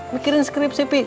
pikirin skrips ya peh